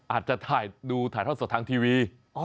อาจจะดูถ่ายท่อสดทางทีวี